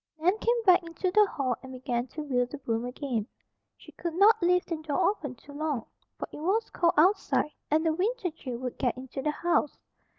Nan came back into the hall and began to wield the broom again. She could not leave the door open too long, for it was cold outside and the winter chill would get into the house.